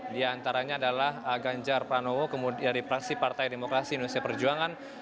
diantaranya adalah ganjar pranowo dari partai demokrasi indonesia perjuangan